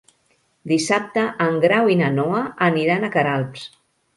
Dissabte en Grau i na Noa aniran a Queralbs.